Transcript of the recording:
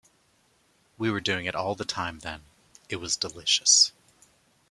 We were doing it all the time then, it was delicious.